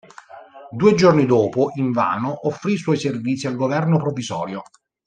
Due giorni dopo, invano, offrì i suoi servizi al governo provvisorio.